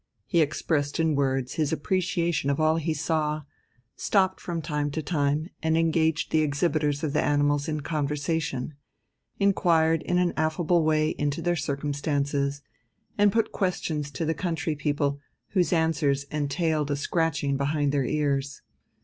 He expressed in words his appreciation of all he saw, stopped from time to time and engaged the exhibitors of the animals in conversation, inquired in an affable way into their circumstances, and put questions to the country people whose answers entailed a scratching behind their ears.